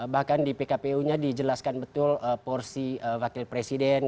bahkan di pkpu nya dijelaskan betul porsi wakil presiden